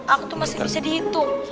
aku tuh masih bisa dihitung